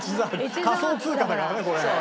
仮想通貨だからねこれ。